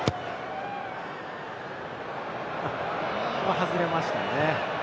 外れましたね。